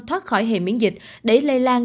thoát khỏi hệ miễn dịch để lây lan